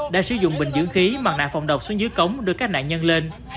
đã sử dụng bình dưỡng khí mặt nạ phòng độc xuống dưới cống đưa các nạn nhân lên